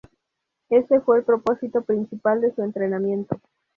Ese fue el propósito principal de su entrenamiento.